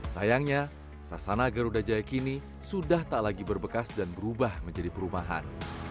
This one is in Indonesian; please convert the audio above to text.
sayangnya sasana garuda jaya kini sudah tak lagi berbekas dan berubah menjadi perumahan